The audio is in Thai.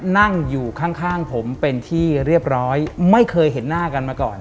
นั่งอยู่ข้างผมเป็นที่เรียบร้อยไม่เคยเห็นหน้ากันมาก่อน